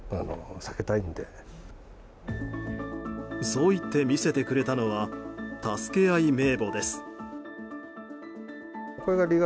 そう言って見せてくれたのは助け合い名簿です。